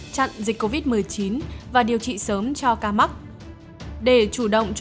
trận dịch covid một mươi chín và điều trị sớm